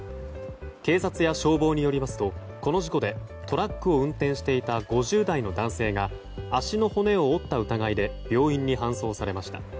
警察や消防によりますとこの事故でトラックを運転していた５０代の男性が足の骨を折った疑いで病院に搬送されました。